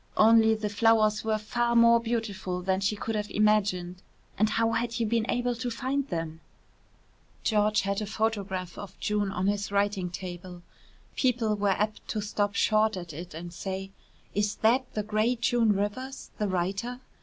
Only the flowers were far more beautiful than she could have imagined and how had you been able to find them? George had a photograph of June on his writing table. People were apt to stop short at it and say: "Is that the great June Rivers, the writer?"